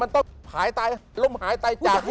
มันต้องหายตายลมหายใจจาก